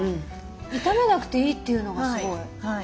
炒めなくていいっていうのがすごい。